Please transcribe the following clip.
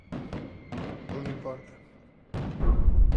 Non importa.